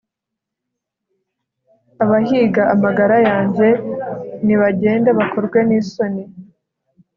abahiga amagara yanjye, nibagende bakorwe n'isoni